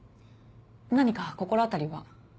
何か心当たりは？